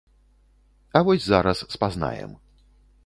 А вось зараз спазнаем.